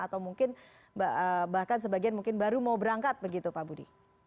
atau mungkin bahkan sebagian mungkin baru mau berangkat begitu pak budi